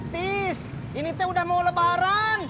tis ini udah mau lebaran